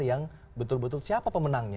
yang betul betul siapa pemenangnya